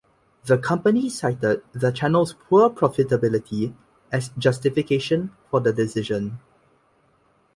The company cited the channel's poor profitability as justification for the decision.